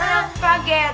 kan aku kaget